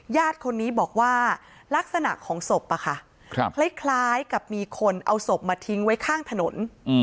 ญาติคนนี้บอกว่าลักษณะของศพคล้ายกับมีคนเอาศพมาทิ้งไว้ข้างถนน